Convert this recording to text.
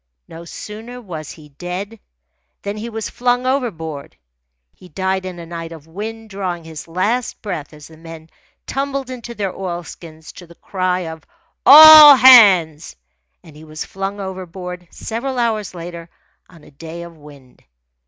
No sooner was he dead than he was flung overboard. He died in a night of wind, drawing his last breath as the men tumbled into their oilskins to the cry of "All hands!" And he was flung overboard, several hours later, on a day of wind.